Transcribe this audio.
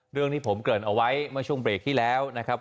เรื่องที่ผมเกิดเอาไว้เมื่อช่วงเบรกที่แล้วนะครับ